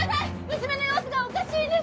娘の様子がおかしいんです